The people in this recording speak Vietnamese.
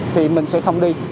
thì mình sẽ không đi